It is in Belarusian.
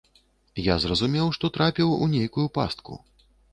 Я зразумеў, што трапіў у нейкую пастку.